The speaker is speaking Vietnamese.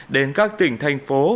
đến các tỉnh thành phố